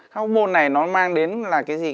hormôn này nó mang đến là cái gì